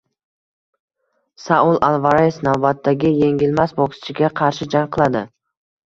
Saul Alvares navbatdagi yengilmas bokschiga qarshi jang qiladi